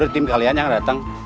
boleh tim kalian yang dateng